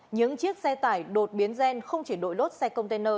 những chiếc xe tải đột biến gen không chỉ đội lốt xe container